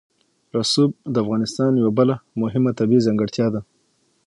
رسوب د افغانستان یوه بله مهمه طبیعي ځانګړتیا ده.